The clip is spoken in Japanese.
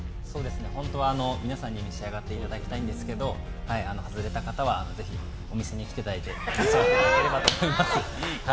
ホントは皆さんに召し上がっていただきたいんですけど、外れた方はぜひお店に来ていただいて召し上がっていただきたいと思います。